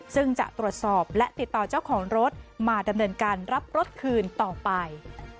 ซึ่งจะตรวจสอบและติดต่อเจ้าของรถมาดำเนินการรับรถคืนต่อไป